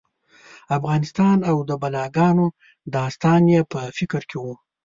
افغانستان او د بلاګانو داستان یې په فکر کې و.